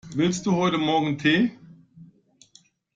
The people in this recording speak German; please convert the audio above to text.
Willst du heute morgen Tee?